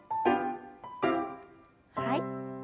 はい。